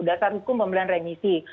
dasar hukum pemberian remisi